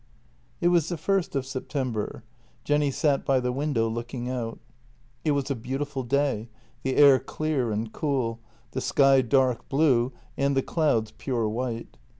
It was the first of September. Jenny sat by the window look ing out. It was a beautiful day, the air clear and cool, the sky dark blue, and the clouds pure white.